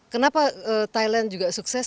kenapa thailand juga sukses